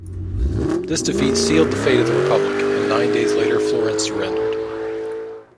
This defeat sealed the fate of the Republic, and nine days later Florence surrendered.